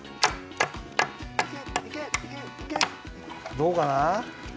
どうかな？